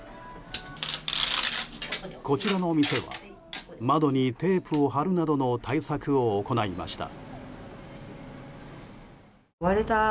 こちらの店は窓にテープを貼るなどの対策を行いました。